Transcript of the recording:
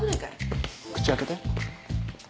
口開けて。